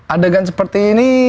adegan seperti ini